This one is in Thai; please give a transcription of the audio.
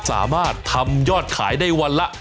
สามารถทำยอดขายได้วันละ